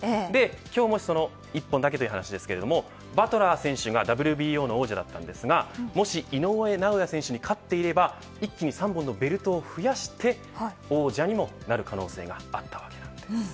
今日はその一本だけという話ですけれども、バトラー選手がＷＢＯの王座だったんですがもし井上尚弥選手に勝っていれば一気に３本のベルトを増やして王者にもなる可能性があったわけなんです。